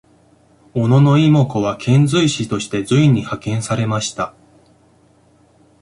小野妹子は遣隋使として隋に派遣されました。